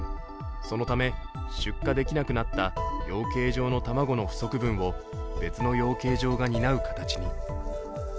そのため出荷できなくなった養鶏場の卵の不足分を別の養鶏場が担う形に。